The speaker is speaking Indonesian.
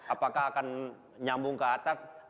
apakah akan nyambung ke atas